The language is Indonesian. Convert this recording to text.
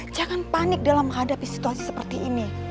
jangan panik dalam menghadapi situasi seperti ini